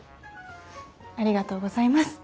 ありがとうございます。